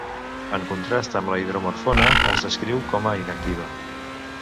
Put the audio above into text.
En contrast amb la hidromorfona, es descriu com a inactiva.